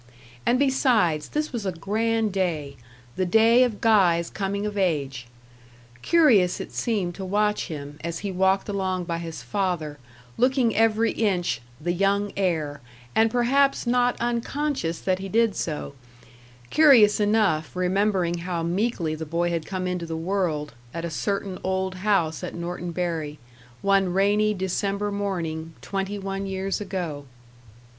And besides, this was a grand day the day of Guy's coming of age. Curious it seemed to watch him, as he walked along by his father, looking every inch "the young heir;" and perhaps not unconscious that he did so; curious enough, remembering how meekly the boy had come into the world, at a certain old house at Norton Bury, one rainy December morning, twenty one years ago.